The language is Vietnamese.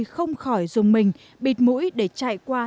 không khỏi dùng mình bịt mũi để chạy qua